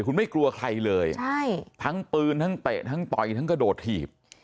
คุณไม่กลัวใครเลยใช่ทั้งปืนทั้งเตะทั้งต่อยทั้งกระโดดถีบ